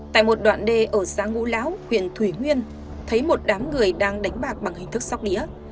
tại một đoạn đê ở xã ngũ lão huyện thủy nguyên thấy một đám người đang đánh bạc bằng hình thức sóc đĩa